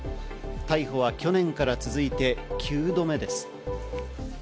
逮捕は去年から続いて９度目です。